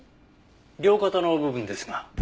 両肩の部分ですが。